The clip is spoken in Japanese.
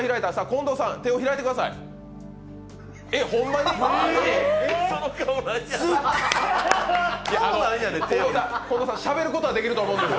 近藤さん、しゃべることはできると思うんで。